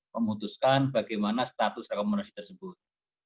memutuskan bagaimana status rekomendasi tersebut